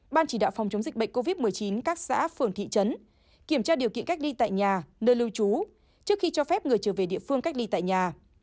ban chỉ đạo phòng chống dịch bệnh covid một mươi chín các xã phường thị trấn kiểm tra điều kiện cách ly tại nhà nơi lưu trú trước khi cho phép người trở về địa phương cách ly tại nhà